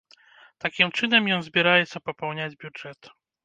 Такім чынам ён збіраецца папаўняць бюджэт.